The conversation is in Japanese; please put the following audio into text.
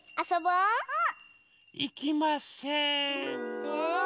うん！